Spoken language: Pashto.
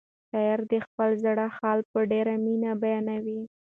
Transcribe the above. شاعر د خپل زړه حال په ډېره مینه بیانوي.